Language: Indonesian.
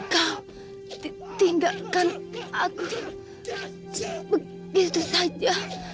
kau tinggalkan aku begitu saja